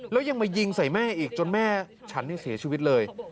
แล้วยังมายิงใส่แม่อีกจนแม่ฉันเสียชีวิตเลย